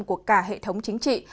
của cả hệ thống chính trị